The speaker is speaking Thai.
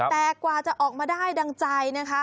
แต่กว่าจะออกมาได้ดังใจนะคะ